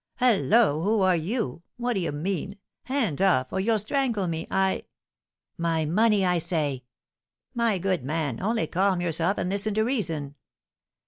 "Hallo! Who are you? What do you mean? Hands off, or you'll strangle me! I " "My money, I say!" "My good man, only calm yourself and listen to reason!"